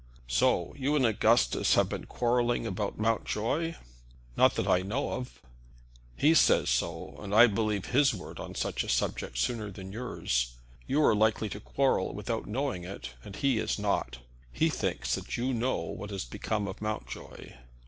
So you and Augustus have been quarrelling about Mountjoy?" "Not that I know of." "He says so; and I believe his word on such a subject sooner than yours. You are likely to quarrel without knowing it, and he is not. He thinks that you know what has become of Mountjoy."